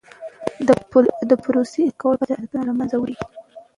د پروسې اصلاح کول بد عادتونه له منځه وړي.